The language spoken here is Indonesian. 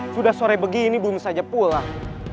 sudah sore begini belum saja pulang